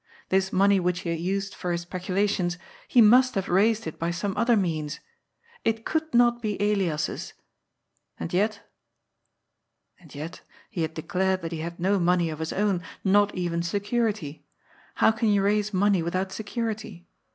This money which he used for his speculations, he must have raised it by some other means. It could not be Elias's ! And yet And yet, he had declared that he had no money of his own, not even security. How can you raise money without security?